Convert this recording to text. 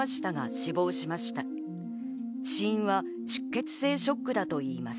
死因は出血性ショックだといいます。